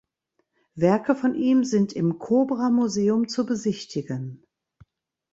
Werke von ihm sind im Cobra Museum zu besichtigen.